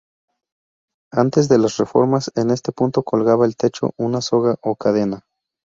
Antes de las reformas, en este punto colgaba del techo una soga o cadena.